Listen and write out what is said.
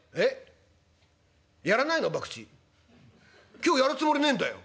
「今日やるつもりねえんだよ」。